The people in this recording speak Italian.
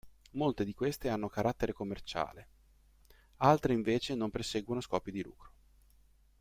Molte di queste hanno carattere commerciale, altre invece non perseguono scopi di lucro.